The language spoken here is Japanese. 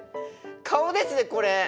顔ですねこれ！